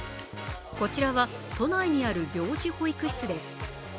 こちらは都内にある病児保育室です。